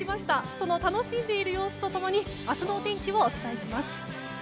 その楽しんでいる様子と共に明日のお天気をお伝えします。